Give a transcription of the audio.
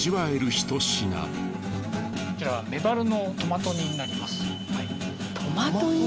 こちらメバルのトマト煮になります。